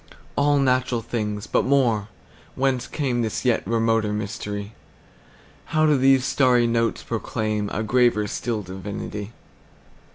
All natural things! But more—Whence cameThis yet remoter mystery? How do these starry notes proclaimA graver still divinity?